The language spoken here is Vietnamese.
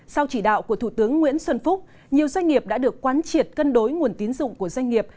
sau chỉ đạo của thủ tướng nguyễn xuân phúc nhiều doanh nghiệp đã được quán triệt cân đối nguồn tín dụng của doanh nghiệp